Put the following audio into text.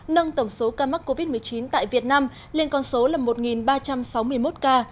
nâng tổng số ca mắc covid một mươi chín tại việt nam lên con số là một ba trăm sáu mươi một ca